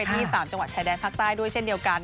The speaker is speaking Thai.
ที่๓จังหวัดชายแดนภาคใต้ด้วยเช่นเดียวกัน